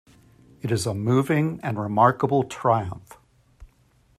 It is a moving and remarkable triumph.